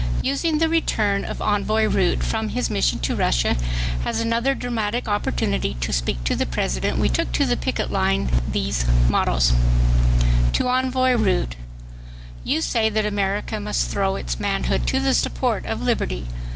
Using the return of Envoy Root from his mission to Russia as another dramatic opportunity to speak to the President we took to the picket line these mottoes: TO ENVOY ROOT YOU SAY THAT AMERICA MUST THROW ITS MANHOOD TO THE SUPPORT OF LIBERTY.